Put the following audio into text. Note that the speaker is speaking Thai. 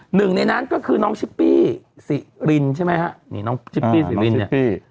หนึ่งในนั้นก็คือน้องชิปปี้สิรินใช่ไหมฮะนี่น้องชิปปี้สิรินเนี่ย